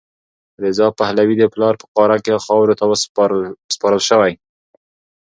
رضا پهلوي د پلار په قاره کې خاورو ته سپارل شوی.